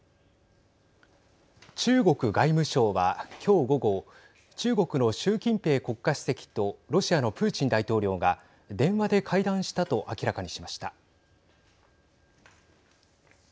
中国外務省は、きょう午後中国の習近平国家主席とロシアのプーチン大統領が電話で会談したと明らかにしました。